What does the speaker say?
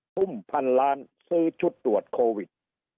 ทุ่มพันล้านซื้อชุดตรวจโควิด